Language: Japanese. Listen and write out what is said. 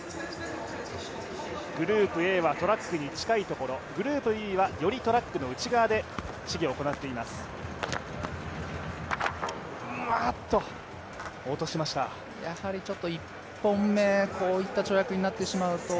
グループＡはトラックに近いところグループＢは、よりトラックの内側で試技を行っています。